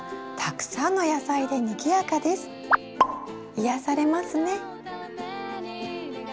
癒やされますね。